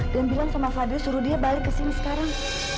dan bilang sama fadil suruh dia balik ke sini sekarang